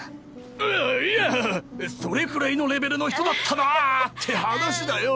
ああいやそれくらいのレベルの人だったなって話だよ。